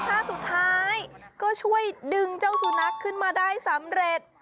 ถ้าสุดท้ายก็ช่วยดึงเจ้าสุนัขขึ้นมาได้สำเร็จ